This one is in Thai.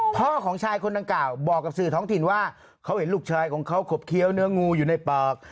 พ่อของชายคนดังกล่าวบอกกับสื่อท้องถิ่นว่าเขาเห็นลูกชายของเขาขบเคี้ยวเนื้องูอยู่ในปอก